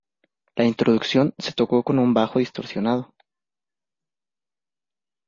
La introducción se tocó con un bajo distorsionado.